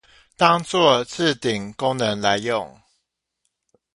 當作置頂功能來用